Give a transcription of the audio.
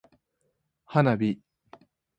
花火